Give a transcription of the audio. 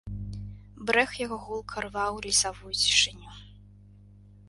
Брэх яго гулка рваў лесавую цішыню.